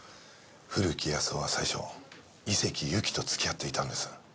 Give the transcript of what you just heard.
古木保男は最初井関ゆきと付き合っていたんです。